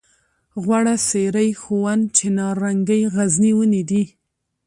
غوړه څېرۍ ښوون چناررنګی غرني ونې دي.